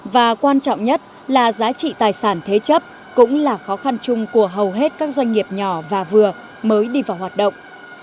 và quan trọng nhất là giá trị tài sản thế chấp cũng là khó khăn chung của hầu hết các doanh nghiệp nhỏ và vừa mới đi vào hoạt động